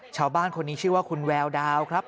ชาวบ้านคนนี้ชื่อว่าคุณแววดาวครับ